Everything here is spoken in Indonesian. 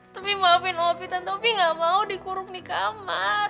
tapi maafin opi tante opi gak mau dikurung di kamar